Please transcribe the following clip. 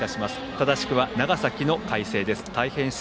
正しくは長崎の海星です。